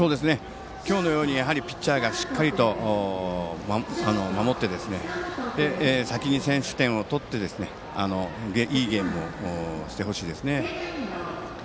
今日のようにピッチャーがしっかりと守って先に先取点を取っていいゲームをしてほしいですね。